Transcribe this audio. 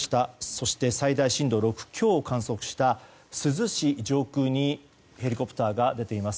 そして、最大震度６強を観測した珠洲市上空にヘリコプターが出ています。